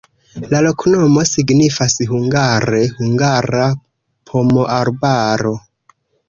La loknomo signifas hungare: hungara-pomoarbaro.